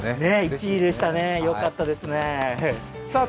１位でしたね、よかったですね。